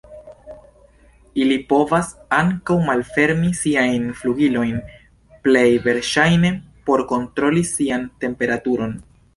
Ili povas ankaŭ malfermi siajn flugilojn, plej verŝajne por kontroli sian temperaturon.